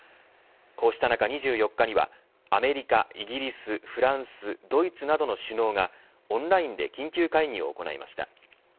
こうした中、２４日にはアメリカ、イギリス、フランスドイツなどの首脳がオンラインで緊急会議を行いました。